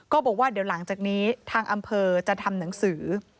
บอกว่าเดี๋ยวหลังจากนี้ทางอำเภอจะทำหนังสือ